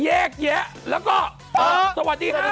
แยกแยะแล้วก็สวัสดีค่ะ